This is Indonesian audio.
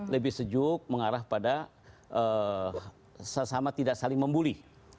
lebih sejuk mengarah pada sesama tidak saling membuli